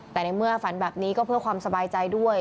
แต่ในเมื่อฝันแบบนี้ก็เพื่อความสบายใจด้วย